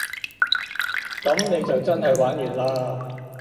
噉你就真係玩完嘞